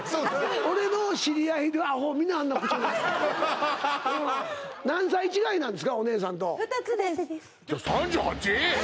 俺の知り合いのアホみんなあんな口調なの違うんです！